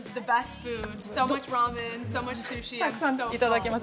たくさんいただきました。